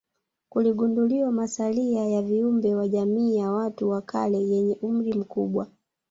Kuligunduliwa masalia ya viumbe wa jamii ya watu wa kale yenye umri mkubwa